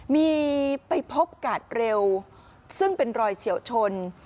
มีไปพบกาดเร็วซึ่งเป็นรอยเฉียวชน